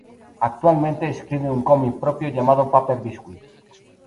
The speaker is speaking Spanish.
Actualmente, escribe un comic propio llamado "Paper Biscuit".